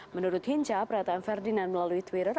menurut hinca pernyataan ferdinand melalui twitter